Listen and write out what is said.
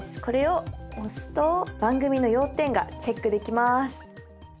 これを押すと番組の要点がチェックできます！